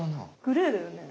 グレーだよね。